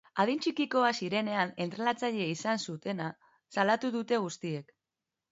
Adin txikikoak zirenean entrenatzaile izan zutena salatu dute guztiek.